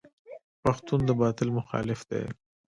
پښتون د باطل مخالف دی.